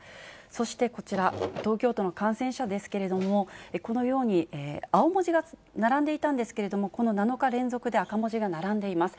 そしてこちら、東京都の感染者ですけれども、このように青文字が並んでいたんですけれども、この７日連続で赤文字が並んでいます。